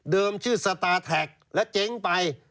เดิมชื่อสตาร์แท็กแล้วเจ๊งไป